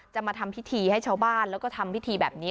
มาทำพิธีให้ชาวบ้านแล้วก็ทำพิธีแบบนี้